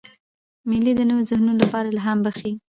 مېلې د نوو ذهنونو له پاره الهام بخښي.